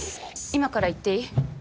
今から行っていい？